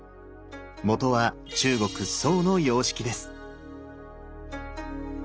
元は中国・宋の様式です。